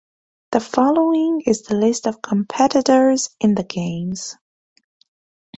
The following is the list of competitors in the Games.